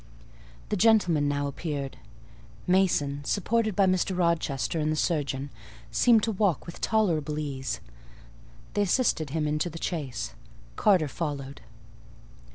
The gentlemen now appeared. Mason, supported by Mr. Rochester and the surgeon, seemed to walk with tolerable ease: they assisted him into the chaise; Carter followed.